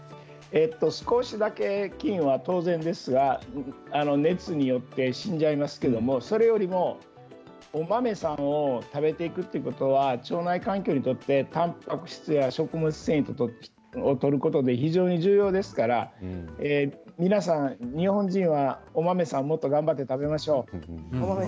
少しだけ、菌は当然ですが熱によって死んじゃいますけれども、それよりもお豆さんを食べていくということは腸内環境にとってたんぱく質や食物繊維をとることで非常に重要ですから皆さん日本人はお豆さんもっと頑張って食べましょう。